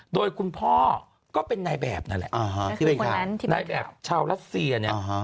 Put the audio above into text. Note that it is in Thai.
โดยคุณพ่อก็เป็นนายแบบนั่นแหละคือนายแบบชาวรัสเซียเนี่ย